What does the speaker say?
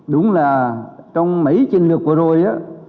đúng là trong mấy chiến lược vừa rồi